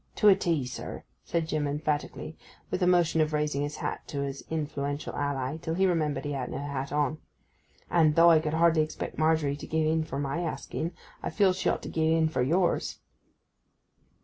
'To a T, sir,' said Jim emphatically; with a motion of raising his hat to his influential ally, till he remembered he had no hat on. 'And, though I could hardly expect Margery to gie in for my asking, I feels she ought to gie in for yours.